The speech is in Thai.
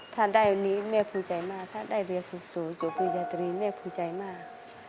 ถ้าได้วันนี้แม่ภูใจมากถ้าได้เรียนสูบจุภือจตรีแม่ภูใจมาก